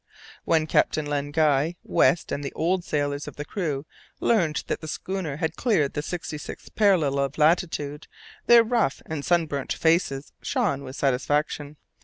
When Captain Len Guy, West, and the old sailors of the crew learned that the schooner had cleared the sixty sixth parallel of latitude, their rough and sunburnt faces shone with satisfaction.